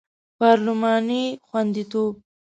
پارلماني خوندیتوب